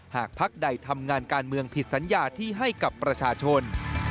พักใดทำงานการเมืองผิดสัญญาที่ให้กับประชาชน